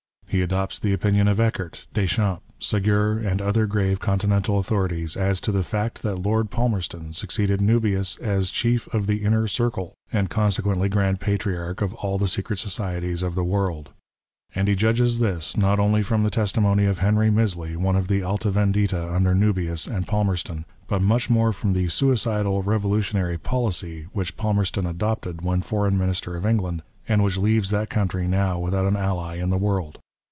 He adopts the opinion of Eckert, Deschamps, Segur, and other grave Continental authorities, as to the fact that Lord Palmerston succeeded Nubius as Chief of the " Inner Circle," and consequently Grand Patriarch of all the secret societies of the world ; and he judges this not only from the testimony of Henry Misley, one of the Alta Vendita under Nubius and Palmerston, but much more from the suicidal, revolutionary policy which Palmerston adopted when Eoreign Minister of England, and which leaves that country now without an ally in the world.